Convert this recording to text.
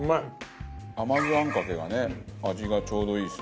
甘酢餡かけがね味がちょうどいいです。